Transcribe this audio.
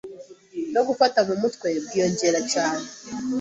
no gufata mu mutwe bwiyongera cyane